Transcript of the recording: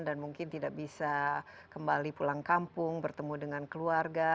dan mungkin tidak bisa kembali pulang kampung bertemu dengan keluarga